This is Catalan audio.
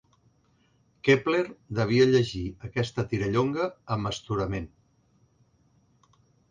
Kepler devia llegir aquesta tirallonga amb astorament.